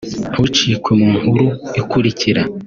Ntucikwe mu nkuru ikurikira